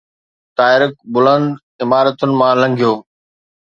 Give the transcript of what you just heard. طائرڪ بلند عمارتن مان لنگھيو